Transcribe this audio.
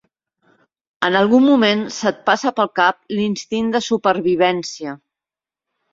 En algun moment se't passa pel cap l'instint de supervivència.